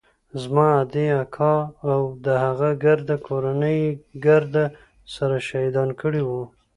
زما ادې اکا او د هغه ګرده کورنۍ يې ګرد سره شهيدان کړي وو.